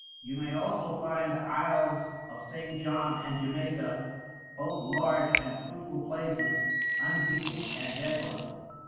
You may also find the Isles of St. John, and Jamaica, both large and fruitful places, unpeopled and desolate.